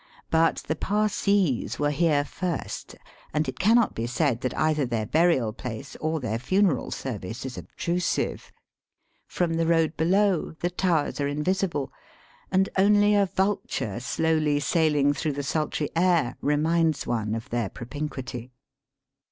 But the Parsees were here first, and it cannot be said that either their burial place or their funeral service is obstru sive. From the road below, the Towers are invisible, and only a vulture slowly sailing through the sultry air reminds one of their propinquity.